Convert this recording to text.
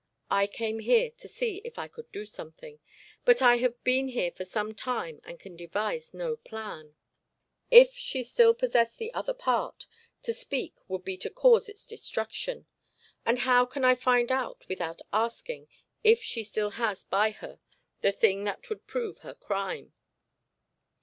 I came here to see if I could do something, but I have been here for some time and can devise no plan. If she still possess the other part, to speak would be to cause its destruction, and how can I find out without asking if she still has by her the thing that would prove her crime?